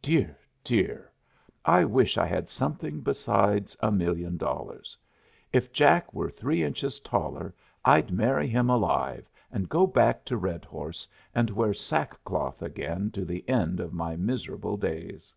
Dear, dear! I wish I had something besides a million dollars! If Jack were three inches taller I'd marry him alive and go back to Redhorse and wear sackcloth again to the end of my miserable days.